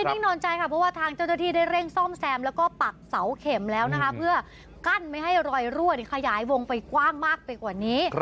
นิ่งนอนใจค่ะเพราะว่าทางเจ้าหน้าที่ได้เร่งซ่อมแซมแล้วก็ปักเสาเข็มแล้วนะคะเพื่อกั้นไม่ให้รอยรั่วขยายวงไปกว้างมากไปกว่านี้